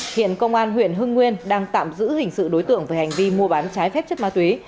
hiện công an huyện hưng nguyên đang tạm giữ hình sự đối tượng về hành vi mua bán trái phép chất ma túy